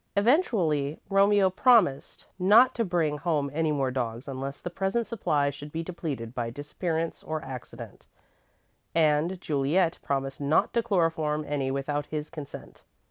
Eventually, Romeo promised not to bring home any more dogs unless the present supply should be depleted by disappearance or accident, and Juliet promised not to chloroform any without his consent.